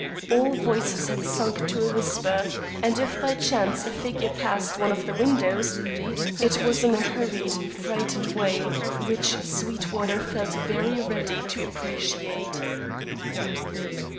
All voices had sunk to a whisper, and if by chance a figure passed one of the windows, it was in a hurried, frightened way, which Sweetwater felt very ready to appreciate.